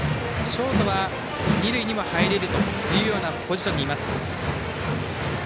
ショートは二塁にも入れるというポジションにいます。